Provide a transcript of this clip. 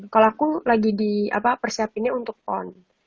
kalau aku lagi di persiapinnya untuk pon